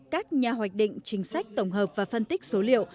các nhà hoạch định chính sách tổng hợp và phân tích số liệu